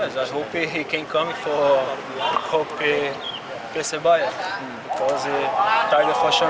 saya harap dia bisa datang untuk persebaya karena dia target untuk pertempuran